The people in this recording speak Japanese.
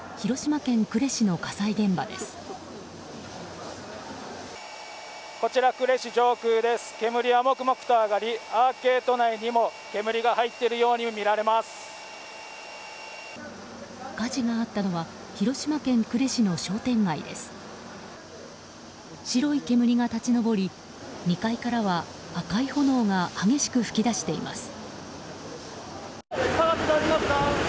白い煙が立ち上り２階からは赤い炎が激しく噴き出しています。